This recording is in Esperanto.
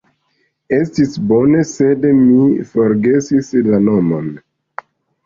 Estis bone, sed mi forgesis la nomon